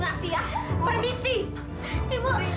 assalamualaikum bu mimin